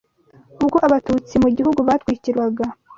ubwo abatutsi mu gihugu batwikirwaga